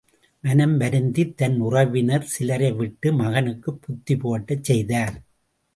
மனம் வருந்தித் தன் உறவினர் சிலரை விட்டு மகனுக்குப் புத்தி புகட்டச் செய்தார்.